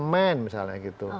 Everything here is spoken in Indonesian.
semen misalnya gitu